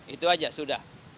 itu saja sudah